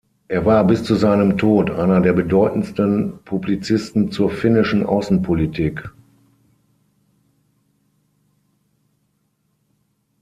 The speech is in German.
Er war bis zu seinem Tod einer der bedeutendsten Publizisten zur finnischen Außenpolitik.